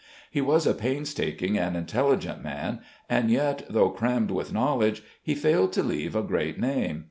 He was a painstaking and intelligent man, and yet, though crammed with knowledge, he failed to leave a great name.